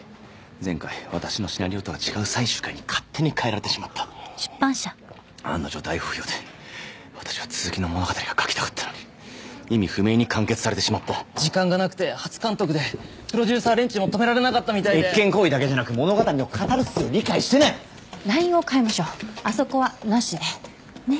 前回私のシナリオとは違う最終回に勝手に変えられてしまった案の定大不評で私は続きの物語が描きたかったのに意味不明に完結されてしまった時間がなくて初監督でプロデューサー連中も止められなかったみたいで越権行為だけじゃなく物語のカタルシスを理解してないラインを変えましょうあそこはなしでねえ？